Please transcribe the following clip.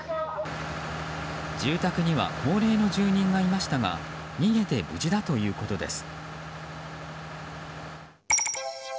住宅には高齢の住人がいましたが逃げて無事だということです。